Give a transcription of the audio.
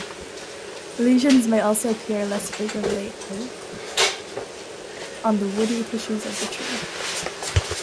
Lesions may also appear less frequently on the woody tissues of the tree.